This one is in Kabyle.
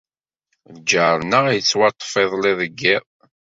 Lǧar-nneɣ yettwaṭṭef iḍelli deg yiḍ.